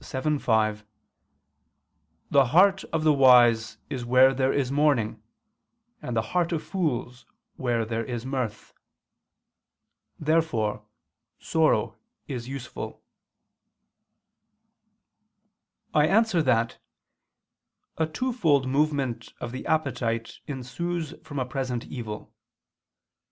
7:5, "the heart of the wise is where there is mourning, and the heart of fools where there is mirth." Therefore sorrow is useful. I answer that, A twofold movement of the appetite ensues from a present evil.